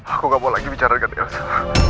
aku gak mau lagi bicara dengan elsa